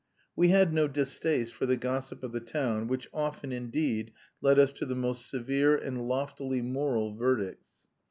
We had no distaste for the gossip of the town which often, indeed, led us to the most severe and loftily moral verdicts.